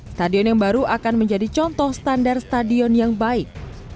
stadion yang baru akan menjadi contoh standar stadion yang baik